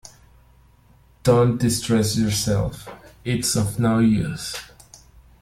Don't distress yourself; it's of no use.